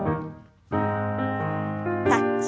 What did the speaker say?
タッチ。